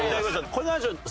これはなんでしょう？